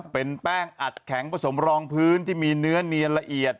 เป็นแป้งอัดแข็งผสมรองพื้นที่มีเนื้อเนียนละเอียด